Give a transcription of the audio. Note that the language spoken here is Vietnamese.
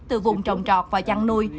từ vùng trồng trọt và chăn nuôi